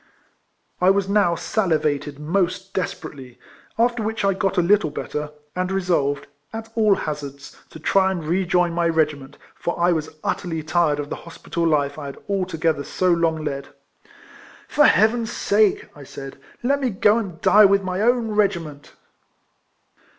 I was now salivated most desperately, after which I got a little better, and resolved, at all hazards, to try and rejoin my regi ment, for I was utterly tired of the hospital life I had altogether so long led. " For Heaven's sake," I said, " let me go and die with ray own regiment